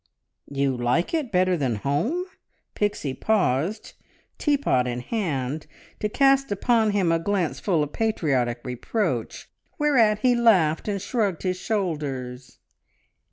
"You like it better than home?" Pixie paused, teapot in hand, to cast upon him a glance full of patriotic reproach, whereat he laughed and shrugged his shoulders.